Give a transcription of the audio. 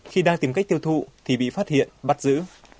khi đang tìm cách tiêu thụ thì bị phát hiện bắt giữ